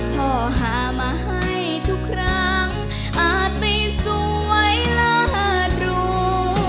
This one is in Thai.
หามาให้ทุกครั้งอาจไม่สวยเลิศรู้